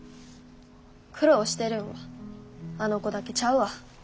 苦労してるんはあの子だけちゃうわ。